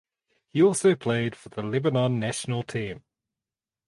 He also played for the Lebanon national team.